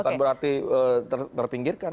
bukan berarti terpinggirkan